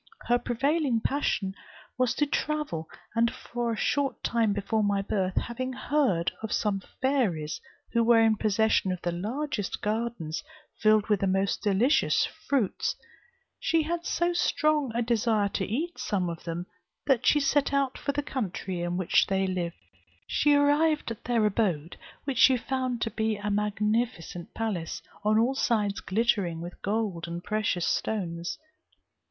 Her prevailing passion was to travel; and a short time before my birth, having heard of some fairies who were in possession of the largest gardens filled with the most delicious fruits, she had so strong a desire to eat some of them, that she set out for the country in which they lived. She arrived at their abode which she found to be a magnificent palace, on all sides glittering with gold and precious stones.